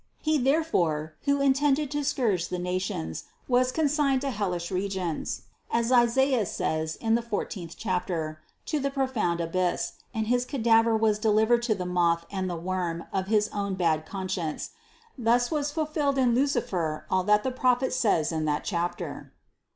He therefore, who intended to scourge the nations, was con signed to hellish regions, as Isaias says in the fourteenth chapter, to the profound abyss, and his cadaver was de 108 CITY OF GOD livered to the moth and the worm of his own bad con science ; thus was fulfilled in Lucifer all that the prophet says in that chapter.